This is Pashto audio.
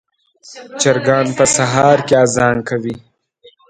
چرګان په سهار کې اذان کوي.